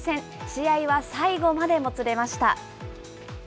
試合は最後までもつれました。